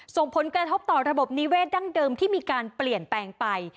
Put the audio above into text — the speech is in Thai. ส่งผลกระทบต่อระบบนิเวศดั้งเดิมที่มีการเปลี่ยนแปลงไป